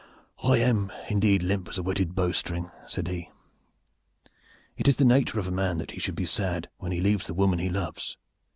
"I am indeed as limp as a wetted bowstring," said he. "It is the nature of a man that he should be sad when he leaves the woman he loves."